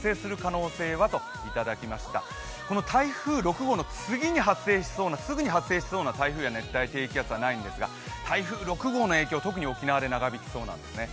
この台風６号の次にすぐに発生しそうな熱帯低気圧はないんですが台風６号の影響、特に沖縄で長引きそうなんですよね。